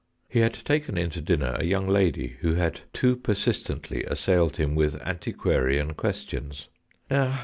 He had taken in to dinner a young lady who had too persis tently assailed him with antiquarian questions.